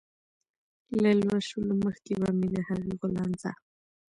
له لوشلو مخکې به مې د هغې غولانځه